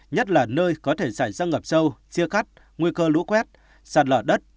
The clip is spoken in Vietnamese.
nhất là nơi có thể xảy ra ngập sâu chia cắt nguy cơ lũ quét sạt lở đất